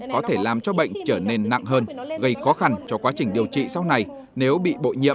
có thể làm cho bệnh trở nên nặng hơn gây khó khăn cho quá trình điều trị sau này nếu bị bội nhiễm